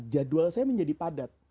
jadwal saya menjadi padat